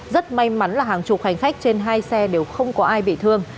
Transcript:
rất may mắn là hàng chục hành khách trên hai xe đều không có ai bị thương